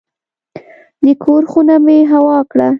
د کور خونه مې هوا کړه.